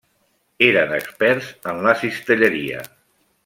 Eren experts en la cistelleria.